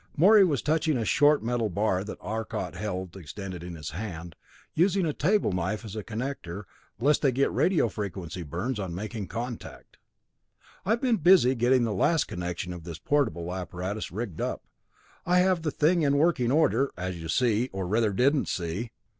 Morey was touching a short metal bar that Arcot held extended in his hand, using a table knife as a connector, lest they get radio frequency burns on making contact. "I've been busy getting the last connection of this portable apparatus rigged up. I have the thing in working order, as you see or rather, didn't see.